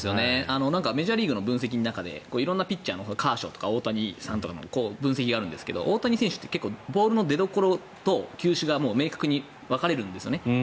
メジャーリーグの分析の中で色んなピッチャーカーショーとか大谷選手の分析があるんですがボールの出どころと球種が明確に分かれるんですよね。